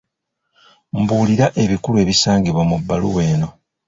Mbuulira ebikulu ebisangibwa mu bbaluwa eno.